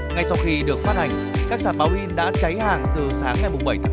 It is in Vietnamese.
ngay sau khi được phát hành các sản báo in đã cháy hàng từ sáng ngày bảy tháng bốn